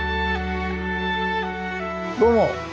どうも。